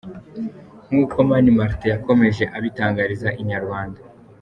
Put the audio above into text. Nk’uko Mani Martin yakomeje abitangariza inyarwanda.